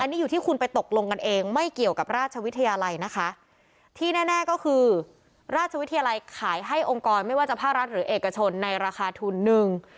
นี่อยู่ที่คุณไปตกลงกันเองไม่เกี่ยวกับราชวิทยาลัยนะคะที่แน่แน่ก็คือราชวิทยาลัยขายให้องค์กรไม่ว่าจะภาครัฐหรือเอกชนในราคาทุนหนึ่ง